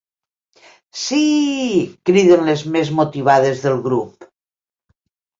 Síííí —criden les més motivades del grup.